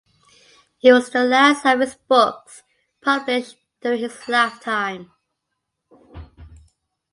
It was the last of his books published during his lifetime.